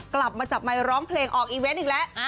กลับมาจับไมค์ร้องเพลงออกอีเวนต์อีกแล้ว